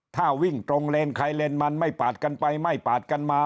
ถ้าวิ่งตรงเลนใครเลนมันไม่ปาดกันไปไม่ปาดกันมา